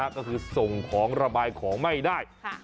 ก็คือส่งของระบายของไม่ได้